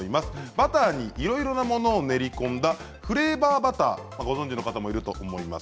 バターにいろいろなものを練り込んだフレーバーバターご存じの方もいるかと思います。